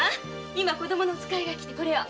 今子供の使いが来てこれを。